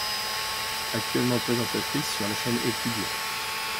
Actuellement présentatrice sur la chaîne Equidia.